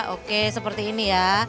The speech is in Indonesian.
oke seperti ini ya